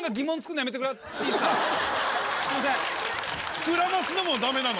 すいません。